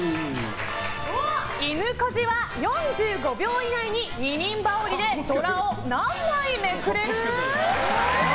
いぬこじは、４５秒以内に二人羽織でドラを何枚めくれる？